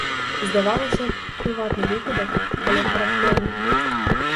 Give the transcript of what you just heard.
Здавалася б, прыватны выпадак, але характэрны.